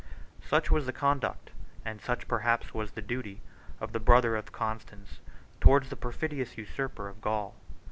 ] Such was the conduct, and such perhaps was the duty, of the brother of Constans towards the perfidious usurper of Gaul.